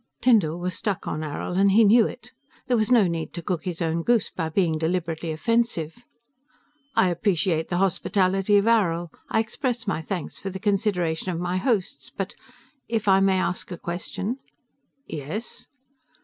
Tyndall was stuck on Arrill and he knew it. There was no need to cook his own goose by being deliberately offensive. "I appreciate the hospitality of Arrill, I express my thanks for the consideration of my hosts but if I may ask a question?" "Yes?"